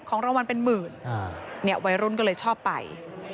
ของรางวัลเป็นหมื่นเนี่ยวัยรุ่นก็เลยชอบไป